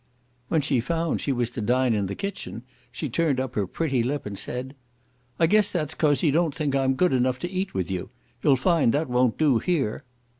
When she found she was to dine in the kitchen, she turned up her pretty lip, and said, "I guess that's 'cause you don't think I'm good enough to eat with you. You'll find that won't do here."